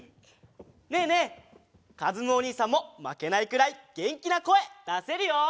ねえねえかずむおにいさんもまけないくらいげんきなこえだせるよ！